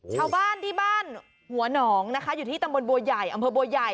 ชาวบ้านที่บ้านหัวหนองนะคะอยู่ที่ตำบลบัวใหญ่อำเภอบัวใหญ่